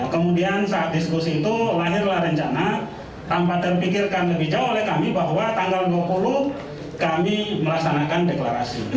kemudian saat diskusi itu lahirlah rencana tanpa terpikirkan lebih jauh oleh kami bahwa tanggal dua puluh kami melaksanakan deklarasi